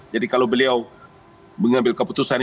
jadi kalau beliau mengambil keputusan